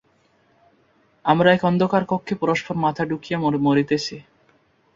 আমরা একটি অন্ধকার কক্ষে পরস্পর মাথা ঠুকিয়া মরিতেছি।